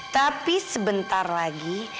tapi sebentar lagi